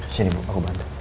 sini bu aku bantu